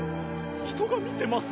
人が見てます！